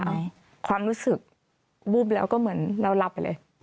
ไม่ค่ะความรู้สึกบุบแล้วก็เหมือนเรารับไปเลย